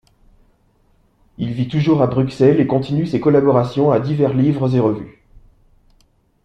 Il vit toujours à Bruxelles et continue ses collaborations à divers livres et revues.